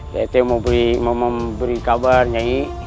saya teh mau beri kabar nyai